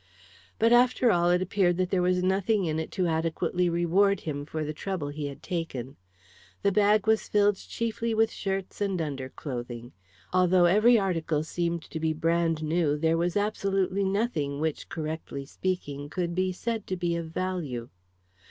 But after all it appeared that there was nothing in it to adequately reward him for the trouble he had taken. The bag was filled chiefly with shirts and underclothing. Although every article seemed to be bran new, there was absolutely nothing which, correctly speaking, could be said to be of value.